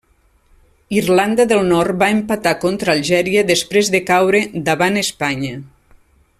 Irlanda del Nord va empatar contra Algèria després de caure davant Espanya.